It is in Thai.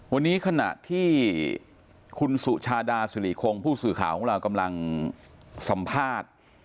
วันนี้ขณะที่คุณสุชาดาสิริคงผู้สื่อข่าวของเรากำลังสัมภาษณ์